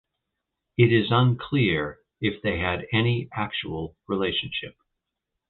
It is unclear if they had any actual relationship.